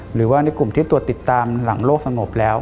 หรือว่าในกลุ่มที่ตรวจติดตามหลังโลกสงบแล้ว